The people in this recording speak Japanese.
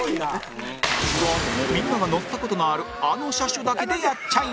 みんなが乗った事のあるあの車種だけでやっちゃいます